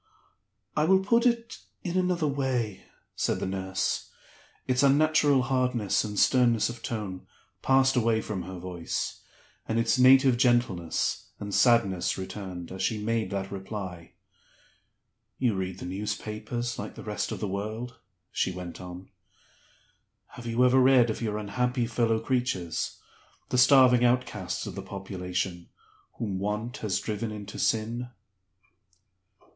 "I will put it in another way," said the nurse. Its unnatural hardness and sternness of tone passed away from her voice, and its native gentleness and sadness returned, as she made that reply. "You read the newspapers like the rest of the world," she went on; "have you ever read of your unhappy fellow creatures (the starving outcasts of the population) whom Want has driven into Sin?"